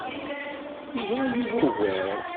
Yeẓra Yuba ugar.